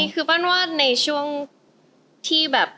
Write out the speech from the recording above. คือปั้นว่าในช่วงที่แบบ